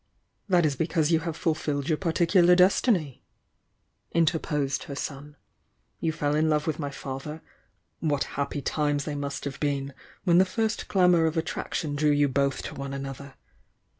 "That is because you have fulfilled your particu lar destiny," interposed her son,— "You fell in love with my father— what happy times they must have been when the first glamour of attraction drew you both to one another!